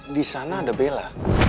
disana ada bela